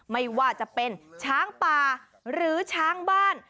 ไม่ว่าจะเป็นช้างป่าหรือช้างบ้าน